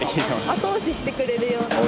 後押ししてくれるような。